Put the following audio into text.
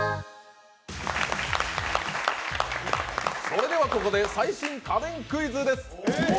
それではここで最新家電クイズです。